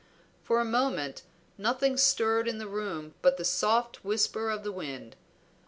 For a moment nothing stirred in the room but the soft whisper of the wind.